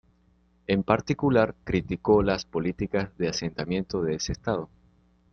En particular, criticó las políticas de asentamiento de ese Estado.